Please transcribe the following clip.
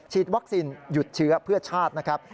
วัคซีนหยุดเชื้อเพื่อชาตินะครับ